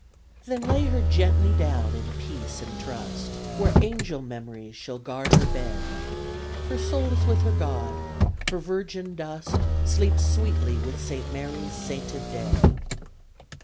Then lay her gently down, in peace and trust, Where angel memories shall guard her bed; Her soul is with her God; her virgin dust Sleeps sweetly with Saint Mary's sainted dead!